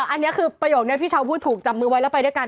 อันนี้คือประโยคนี้พี่เช้าพูดถูกจับมือไว้แล้วไปด้วยกัน